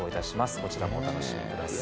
こちらもお楽しみください。